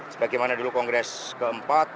sebagaimana dulu kongres keempat